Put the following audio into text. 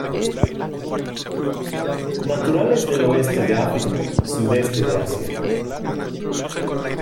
Naturales del oeste de África y sudeste de Asia.